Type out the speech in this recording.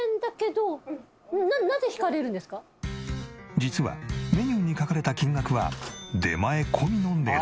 実はメニューに書かれた金額は出前込みの値段。